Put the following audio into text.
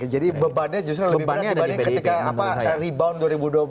jadi bebannya justru lebih banyak dibanding ketika rebound dua ribu dua belas